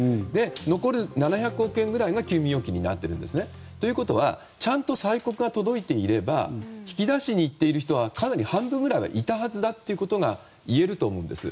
残り７００億円くらいが休眠預金になっているんですね。ということはちゃんと催告が届いていれば引き出しに行っている人はかなり半分ぐらいはいたはずといえるんです。